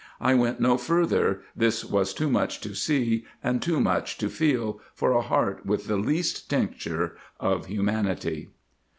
I went no further ; this was too much to see and to much to feel, for a heart with the least tincture of humanity."